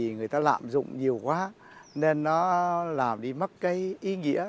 người ta lạm dụng nhiều quá nên nó làm đi mất cái ý nghĩa